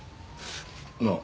なあ。